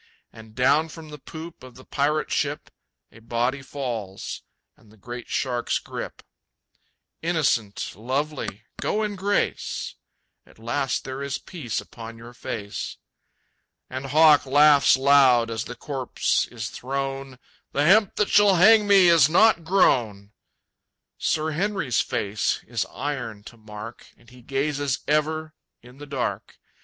And down from the poop of the pirate ship A body falls, and the great sharks grip. Innocent, lovely, go in grace! At last there is peace upon your face. And Hawk laughs loud as the corpse is thrown, "The hemp that shall hang me is not grown!" Sir Henry's face is iron to mark, And he gazes ever in the dark.